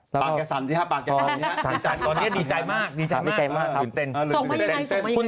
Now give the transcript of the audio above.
ปากแกสั่นสิฮะตอนนี้ดีใจมากหืนเต้น